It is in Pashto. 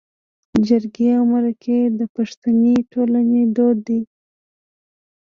جرګې او مرکې د پښتني ټولنې دود دی